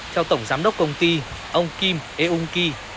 theo tổng giám đốc công ty ông kim eung kỳ